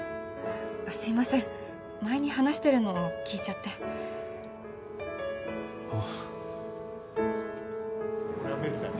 すいません前に話してるの聞いちゃってあっ俺はめんたい